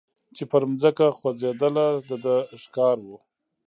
چي پر مځکه خوځېدله د ده ښکار وو